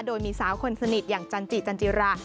โดยมีสาวคนสนิทอย่างจันจิจันจิรา